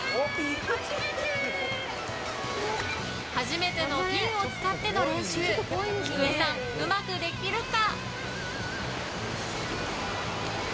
初めてのフィンを使っての練習きくえさん、うまくできるか。